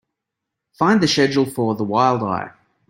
Find the schedule for The Wild Eye.